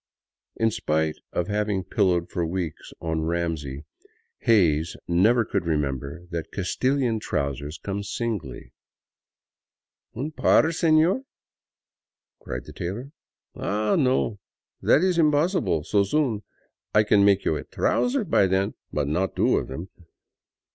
In spite of having pillowed for weeks on Ramsey, Hays never could remember that Castilian trousers come singly. " Un par, sefior !" cried the tailor, " Ah, no, that is impossible so soon. I can make you a trouser by then, but not two of them.